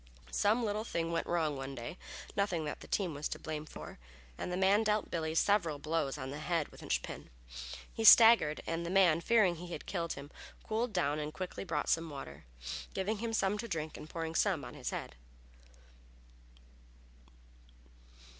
Some little thing went wrong one day, nothing that the team was to blame for, and the man dealt Billy several blows on the head with a linch pin. He staggered, and the man, fearing he had killed him, cooled down and quickly brought some water, giving him some to drink and pouring some on his head.